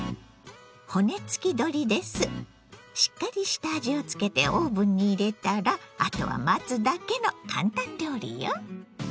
しっかり下味をつけてオーブンに入れたらあとは待つだけのカンタン料理よ。